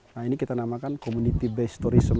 nah ini kita namakan community based tourism